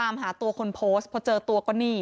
ตามหาตัวคนโพสต์พอเจอตัวก็นี่